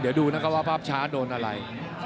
เดี๋ยวดูนะครับว่าภาพช้าโดนอะไร